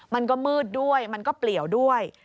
มันก็มืดด้วยมันก็เปลี่ยวด้วย